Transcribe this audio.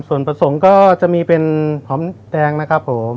ส่วนผสมก็จะมีเป็นหอมแดงนะครับผม